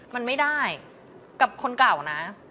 มันไม่ได้กับคนเก่านะ